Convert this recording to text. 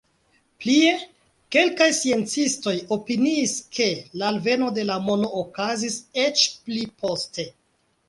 Plie, kelkaj sciencistoj opiniis, ke la alveno de la mono okazis eĉ pli poste.